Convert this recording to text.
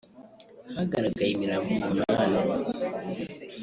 hagaragaye imirambo umunani